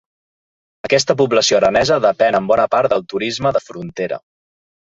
Aquesta població aranesa depèn en bona part del turisme de frontera.